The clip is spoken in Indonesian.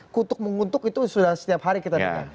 kutuk mengutuk itu sudah setiap hari kita dengar